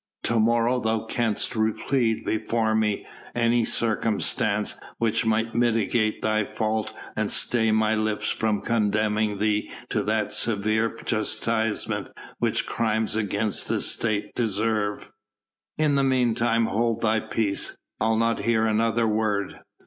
To morrow thou canst plead before me any circumstance which might mitigate thy fault and stay my lips from condemning thee to that severe chastisement which crimes against the State deserve. In the meanwhile hold thy peace. I'll not hear another word."